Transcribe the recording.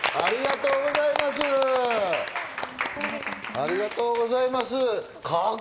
ありがとうございます。